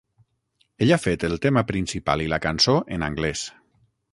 Ell ha fet el tema principal i la cançó en anglès.